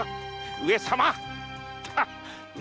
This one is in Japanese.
上様‼